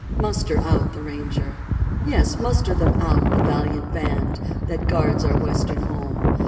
MUSTER OUT THE RANGER Yes, muster them out, the valiant band That guards our western home.